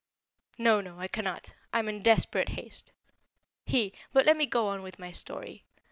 "No, no, I cannot. I'm in desperate haste. He but let me go on with my story.